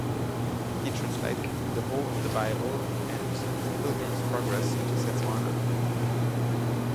He translated the whole of the Bible and "The Pilgrim's Progress" into Setswana.